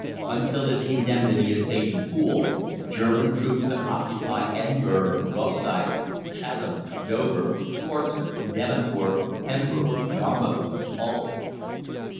Until this indemnity is paid in full, German troops to occupy Edinburgh, Rosyth, Chatham, Dover, Portsmouth, Devonport, Pembroke, Yarmouth, Hull.